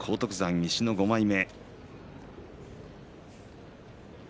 西の５枚目。